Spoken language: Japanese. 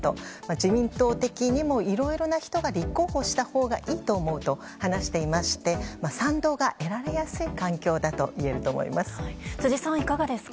自民党的にもいろいろな人が立候補したほうがいいと思うと話していまして賛同が得られやすい環境といえると思います。